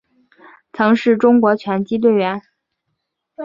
曾是中国拳击队员。